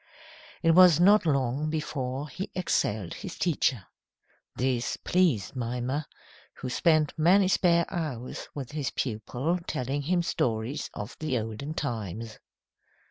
It was not long before he excelled his teacher. This pleased Mimer, who spent many spare hours with his pupil, telling him stories of the olden times.